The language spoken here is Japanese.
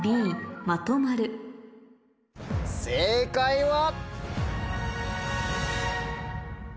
正解は。